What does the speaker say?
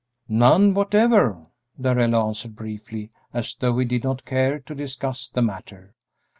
"None whatever," Darrell answered, briefly, as though he did not care to discuss the matter.